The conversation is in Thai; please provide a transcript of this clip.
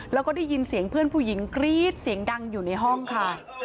แล้วก็ได้ยินเสียงเพื่อนผู้หญิงกรี๊ดเสียงดังอยู่ในห้องค่ะ